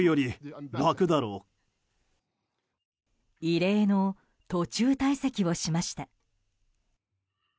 異例の途中退席をしました。